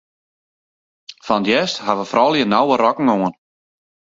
Fan 't hjerst hawwe froulju nauwe rokken oan.